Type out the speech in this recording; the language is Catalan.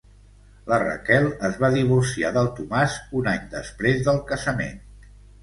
La Raquel es va divorciar del Tomàs un any després del casament.